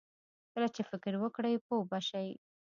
کله چې فکر وکړې، پوه به شې!